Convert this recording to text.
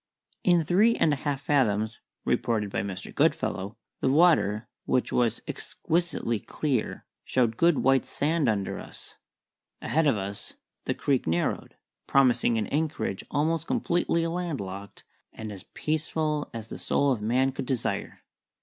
In three and a half fathoms (reported by Mr. Goodfellow) the water, which was exquisitely clear, showed good white sand under us. Ahead of us the creek narrowed, promising an anchorage almost completely landlocked and as peaceful as the soul of man could desire.